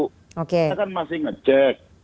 kita kan masih ngecek